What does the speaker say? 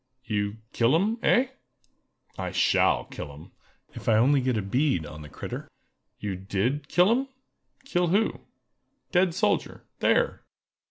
"You kill 'em—eh?" "I shall kill 'em, if I only get a bead on the critter!" "You did kill 'em?" "Kill who?" "Dead soldier—there!"